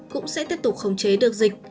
cũng sẽ tiếp tục khống chế được dịch